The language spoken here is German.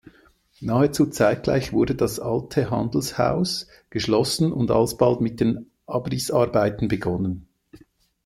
Nahezu zeitgleich wurde das alte Handelshaus geschlossen und alsbald mit den Abrissarbeiten begonnen.